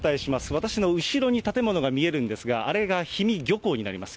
私の後ろに建物が見えるんですが、あれが氷見漁港になります。